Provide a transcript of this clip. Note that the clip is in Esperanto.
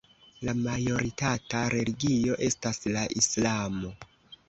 La majoritata religio estas la islamo.